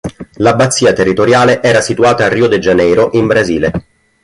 L'abbazia territoriale era situata a Rio de Janeiro in Brasile.